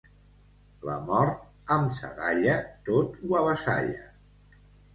La mort, amb sa dalla, tot ho avassalla.